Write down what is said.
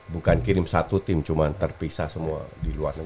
bukan kirim satu tim cuma terpisah semua di luar negeri